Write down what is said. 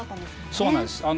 そうなんです。